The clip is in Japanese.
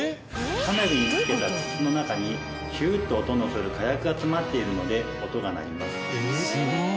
花火につけた筒の中にヒュと音のする火薬が詰まっているので音が鳴ります。